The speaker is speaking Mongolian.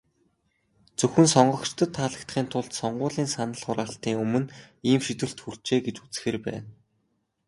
Зөвхөн сонгогчдод таалагдахын тулд, сонгуулийн санал хураалтын өмнө ийм шийдвэрт хүрчээ гэж үзэхээр байна.